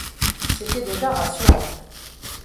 C’était déjà rassurant.